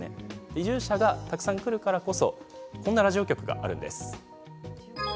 移住者がたくさん来るからこそこんなラジオ局があるんです。